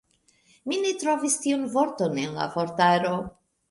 Mi ne trovis tiun vorton en la vortaro.